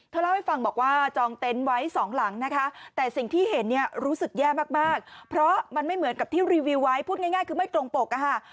เล่าให้ฟังบอกว่าจองเต็นต์ไว้สองหลังนะคะแต่สิ่งที่เห็นเนี่ยรู้สึกแย่มากเพราะมันไม่เหมือนกับที่รีวิวไว้พูดง่ายคือไม่ตรงปกอะค่ะ